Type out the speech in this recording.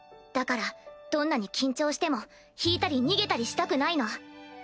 だからどんなに緊張しても引いたり逃げたりしたくないの。